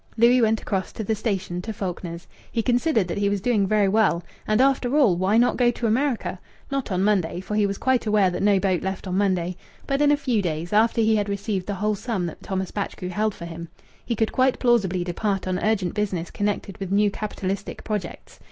Louis went across to the station to Faulkner's. He considered that he was doing very well. And after all, why not go to America not on Monday, for he was quite aware that no boat left on Monday but in a few days, after he had received the whole sum that Thomas Batchgrew held for him. He could quite plausibly depart on urgent business connected with new capitalistic projects.